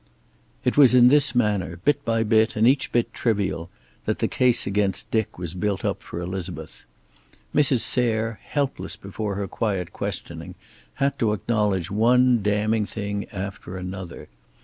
It was in this manner, bit by bit and each bit trivial, that the case against Dick was built up for Elizabeth. Mrs. Sayre, helpless before her quiet questioning, had to acknowledge one damning thing after another.